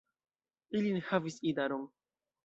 Ili ne havis idaron.